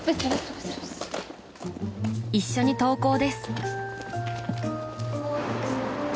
［一緒に登校です］